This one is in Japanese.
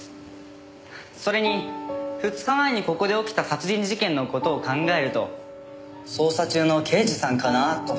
それに２日前にここで起きた殺人事件の事を考えると捜査中の刑事さんかな？と。